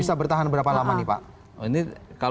bisa bertahan berapa lama nih pak